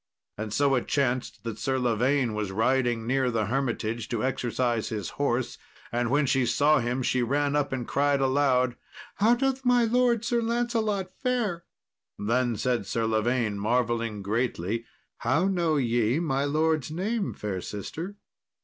And so it chanced that Sir Lavaine was riding near the hermitage to exercise his horse, and when she saw him she ran up and cried aloud, "How doth my lord Sir Lancelot fare?" Then said Sir Lavaine, marvelling greatly, "How know ye my lord's name, fair sister?"